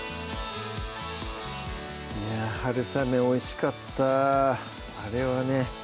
いや春雨おいしかったあれはね